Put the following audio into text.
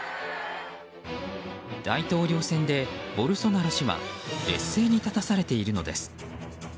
大統領選でボルソナロ氏は劣勢に立たされているのです。